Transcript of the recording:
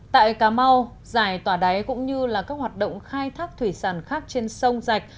tại cà mau giải tòa đáy cũng như các hoạt động khai thác thủy sản khác trên sông dạch